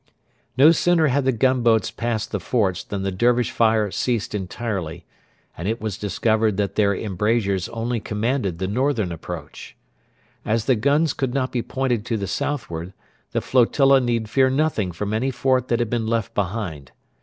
No sooner had the gunboats passed the forts than the Dervish fire ceased entirely, and it was discovered that their embrasures only commanded the northern approach. As the guns could not be pointed to the southward, the flotilla need fear nothing from any fort that had been left behind.